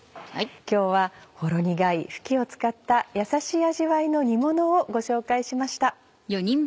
今日はほろ苦いふきを使ったやさしい味わいの煮ものをご紹介しました。